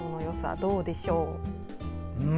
どうでしょう？